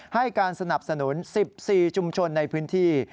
ให้การสนับสนุน๑๔ชุมชนในพื้นที่